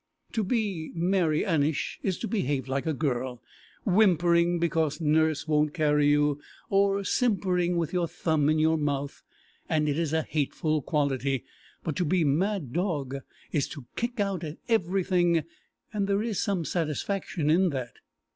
To be Mary Annish is to behave like a girl, whimpering because nurse won't carry you, or simpering with your thumb in your mouth, and it is a hateful quality, but to be mad dog is to kick out at everything, and there is some satisfaction in that.